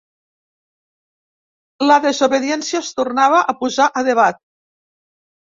La desobediència es tornava a posar a debat.